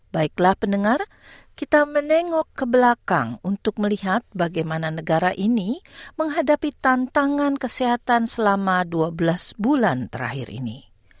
baiklah pendengar kita menengok ke belakang untuk melihat bagaimana negara ini menghadapi tantangan kesehatan selama dua belas bulan terakhir ini